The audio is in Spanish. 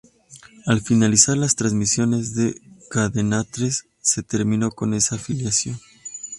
Al finalizar las transmisiones de cadenatres, se terminó con esta afiliación.